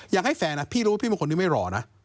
อยากให้แฟนนะพี่รู้ว่าพี่เป็นคนที่ไม่รอนะ